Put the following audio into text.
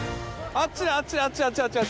あっちあっちあっちあっち。